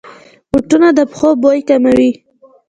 بوټونه د پښو بوی کموي.